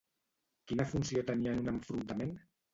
Quina funció tenia en un enfrontament?